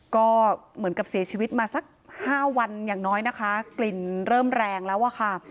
ก็เหมือนกับเสียชีวิตมาสัก๕วันอย่างน้อยนะคะกลิ่นเริ่มแรงแล้วอะค่ะ